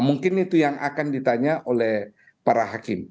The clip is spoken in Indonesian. mungkin itu yang akan ditanya oleh para hakim